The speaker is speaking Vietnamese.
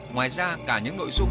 ngoài ra cả những nội dung